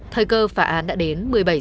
thời cơ phá án đã đến một mươi bảy h